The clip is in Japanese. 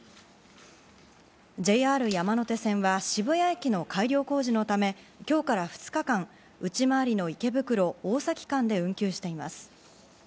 ＪＲ山手線は渋谷駅の改良工事のため、今日から２日間、内回りの池袋−大崎間で運休しています。